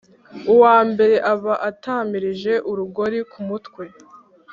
Uwa mbere aba atamirije urugori ku mutwe